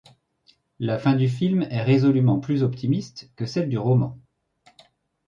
La fin du film est résolument plus optimiste que celle du roman.